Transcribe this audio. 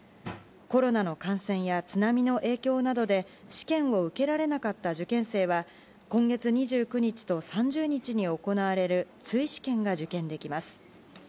コロナの感染や津波の影響などで試験を受けられなかった受験生は今月２９日と３０日に行われる追試験が受験できます。